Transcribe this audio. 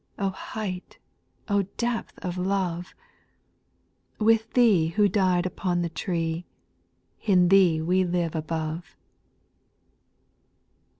Ju O height, O depth of love 1 With Thee we died upon the tree, In Thee we live above.